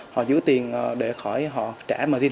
họ giữ tiền để khỏi trả margin